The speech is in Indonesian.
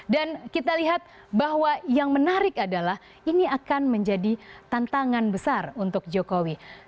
dan kita lihat bahwa yang menarik adalah ini akan menjadi tantangan besar untuk jokowi